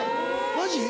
・マジ？